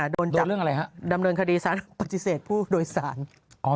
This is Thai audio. โดนจับดำเนินคดีสารปฏิเสธผู้โดยสาร